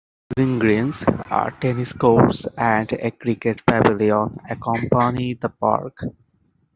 Bowling greens, tennis courts and a cricket pavilion accompany the park.